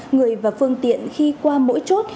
người và phương tiện khi qua mỗi chốt